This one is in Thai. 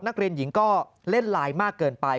นักเรียนหญิงก็เล่นไลน์มากเกินไป